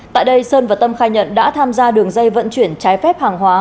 tại đây sơn và tâm khai nhận đã tham gia đường dây vận chuyển trái phép hàng hóa